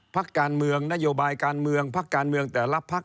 พักการเมืองนโยบายการเมืองพักการเมืองแต่ละพัก